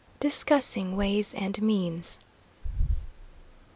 DISCUSSING WAYS AND MEANS.